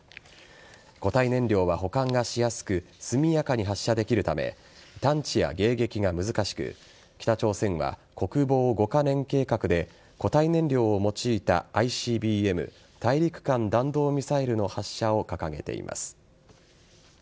固体燃料は保管がしやすく速やかに発射できるため探知や迎撃が難しく北朝鮮は国防５カ年計画で固体燃料を用いたＩＣＢＭ＝大陸間弾道ミサイルの発射を掲げています。